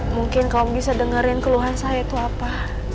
mungkin kalau bisa dengerin keluhan saya itu apa